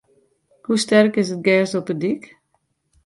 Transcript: Hoe sterk is it gjers op de dyk?